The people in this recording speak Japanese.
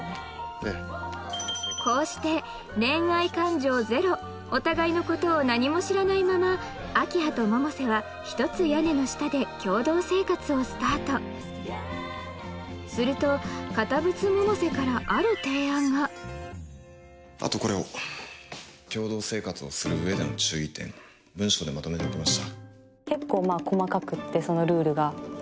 ええこうして恋愛感情ゼロお互いのことを何も知らないまま明葉と百瀬は一つ屋根の下で共同生活をスタートすると堅物百瀬からある提案があとこれを共同生活をするうえでの注意点文書でまとめときました